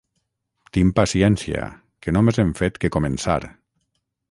Tin paciència, que només hem fet que començar.